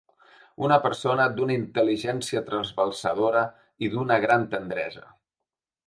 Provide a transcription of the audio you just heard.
Una persona d’una intel·ligència trasbalsadora i d’una gran tendresa.